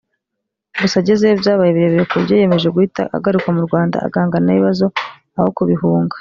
gusa agezeyo byabaye birebire ku buryo yiyemeje guhita agaruka mu Rwanda agahangana n’ibibazo aho kubihunga